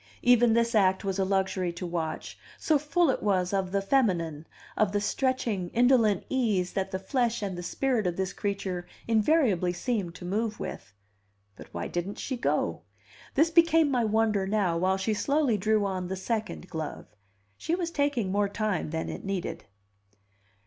Even this act was a luxury to watch, so full it was of the feminine, of the stretching, indolent ease that the flesh and the spirit of this creature invariably seemed to move with. But why didn't she go? This became my wonder now, while she slowly drew on the second glove. She was taking more time than it needed.